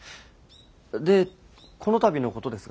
でこのたびのことですが。